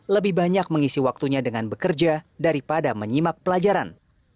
lebih banyak mengisi waktunya dengan bekerja daripada menyimak pelajaran